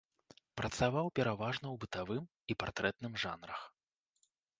Працаваў пераважна ў бытавым і партрэтным жанрах.